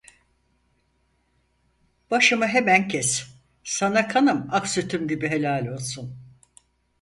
Başımı hemen kes, sana kanım ak sütüm gibi helal olsun…